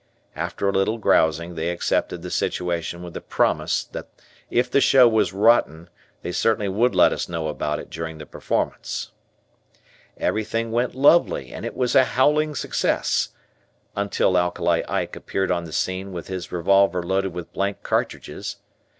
After a little grousing they accepted the situation with the promise that if the show was rotten they certainly would let us know about it during the performance, Everything went lovely and it was a howling success, until Alkali Ike appeared on the scene with his revolver loaded with blank cartridges.